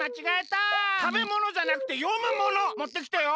たべものじゃなくてよむものもってきてよ。